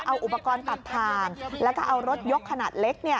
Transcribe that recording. เอาอุปกรณ์ตัดทางแล้วก็เอารถยกขนาดเล็ก